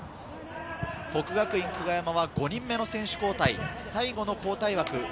國學院久我山は５人目の選手交代、最後の交代枠。